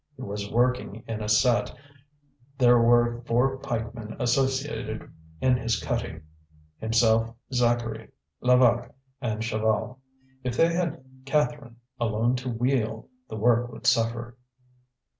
He was working in a set; there were four pikemen associated in his cutting, himself, Zacharie, Levaque, and Chaval. If they had Catherine alone to wheel, the work would suffer.